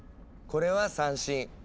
これは三線。